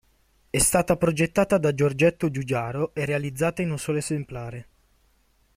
È stata progettata da Giorgetto Giugiaro e realizzata in un solo esemplare.